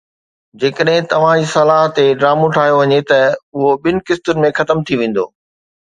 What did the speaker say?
جيڪڏهن توهان جي صلاح تي ڊرامو ٺاهيو وڃي ته اهو ٻن قسطن ۾ ختم ٿي ويندو